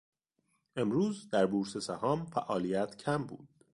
امروز در بورس سهام فعالیت کم بود.